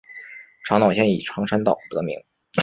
长岛县以长山岛得名。